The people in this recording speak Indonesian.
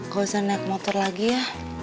gak usah naik motor lagi ya